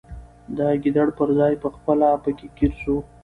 د ګیدړ پر ځای پخپله پکښي ګیر سو